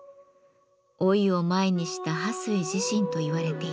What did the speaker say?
老いを前にした巴水自身といわれています。